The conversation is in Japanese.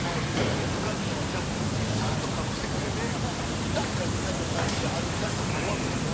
キングカズからジャッキー・チェンちゃんとかぶしてくれてピタってなって最後３人が歩き出したでもう終わってたで。